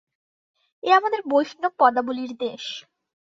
এ আমাদের বৈষ্ণব-পদাবলীর দেশ।